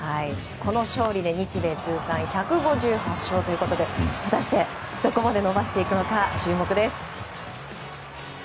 この勝利で日米通算１５８勝ということで果たして、どこまで伸ばしていくのか注目です。